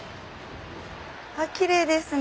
あきれいですね。